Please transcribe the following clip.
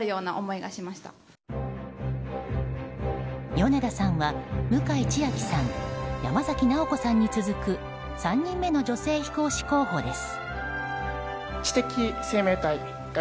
米田さんは、向井千秋さん山崎直子さんに続く３人目の女性飛行士候補です。